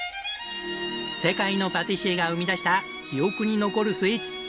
世界のパティシエが生み出した記憶に残るスイーツ。